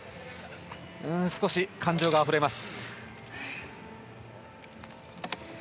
少し感情があふれます。